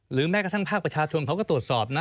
แม้กระทั่งภาคประชาชนเขาก็ตรวจสอบนะ